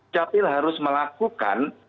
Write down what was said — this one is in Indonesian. capil harus melakukan